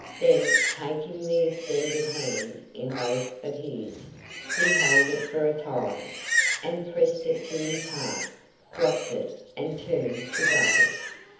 Then, taking the extended hand in both of his, he held it for a time, and pressed it to his heart, dropped it, and turned to go.